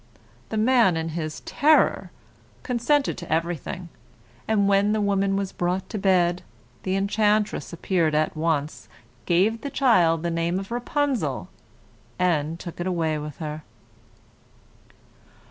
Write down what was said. The man in his terror consented to everything, and when the little one came to them, the enchantress appeared at once, gave the child the name of Rapunzel, and took it away with her.